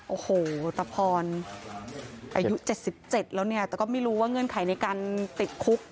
โอ้โหตะพรอายุ๗๗แล้วเนี่ยแต่ก็ไม่รู้ว่าเงื่อนไขในการติดคุก